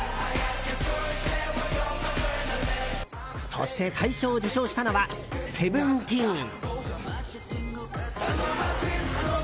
そして、大賞を受賞したのはＳＥＶＥＮＴＥＥＮ。